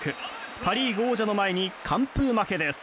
パ・リーグ王者の前に完封負けです。